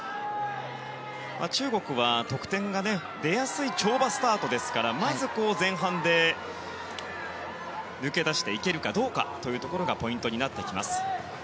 中国は得点が出やすい跳馬スタートですからまず、前半で抜け出していけるかどうかというところがポイントになってきます。